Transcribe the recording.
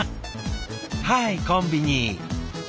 はいコンビニ。